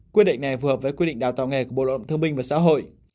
quyết định này phù hợp với quy định đào tạo nghề của bộ động thương minh và xã hội